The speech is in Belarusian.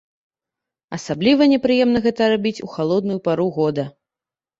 Асабліва непрыемна гэта рабіць у халодную пару года.